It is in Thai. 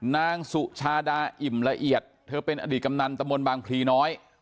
นางสุชาดาอิ่มละเอียดเธอเป็นอดีตกำนันตะมนต์บางพลีน้อย